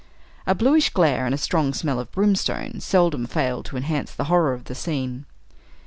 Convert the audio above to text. A bluish glare and a strong smell of brimstone seldom failed to enhance the horror of the scene.